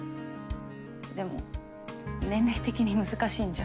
でも年齢的に難しいんじゃ。